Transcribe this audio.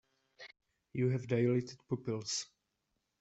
You have dilated pupils.